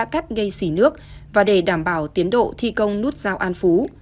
cắt gây xỉ nước và để đảm bảo tiến độ thi công nút giao an phú